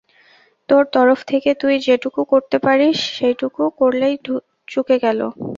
তোর তরফ থেকে তুই যেটুকু করতে পারিস সেইটুকু করলেই চুকে গেল।